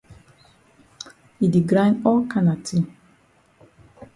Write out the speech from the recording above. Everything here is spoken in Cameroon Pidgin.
E di grind all kana tin.